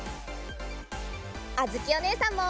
あづきおねえさんも！